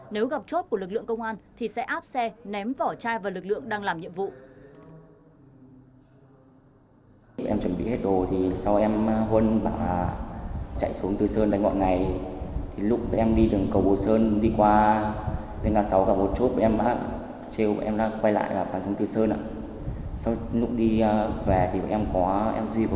nếu gặp chốt của lực lượng công an thì sẽ áp xe ném vỏ chai vào lực lượng đang làm nhiệm vụ